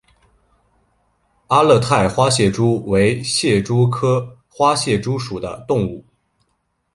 阿勒泰花蟹蛛为蟹蛛科花蟹蛛属的动物。